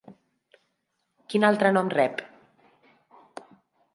Quin altre nom rep?